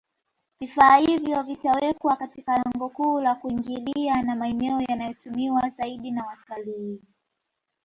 Vifaa hivyo vitawekwa Katika lango kuu la kuingilia na maeneo yanayotumiwa zaidi na watalii